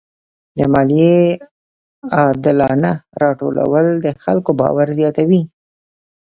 د مالیې عادلانه راټولول د خلکو باور زیاتوي.